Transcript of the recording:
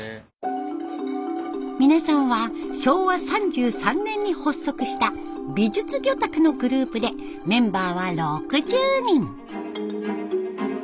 皆さんは昭和３３年に発足した美術魚拓のグループでメンバーは６０人。